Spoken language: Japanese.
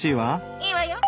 いいわよ。